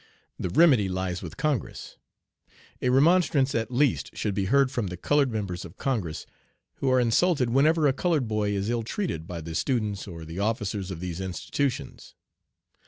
The remedy lies with Congress. A remonstrance at least should be heard from the colored members of Congress, who are insulted whenever a colored boy is ill treated by the students or the officers of these institutions.